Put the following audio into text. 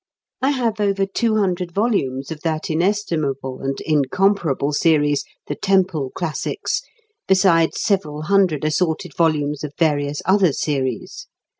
I have over two hundred volumes of that inestimable and incomparable series, "The Temple Classics," besides several hundred assorted volumes of various other series.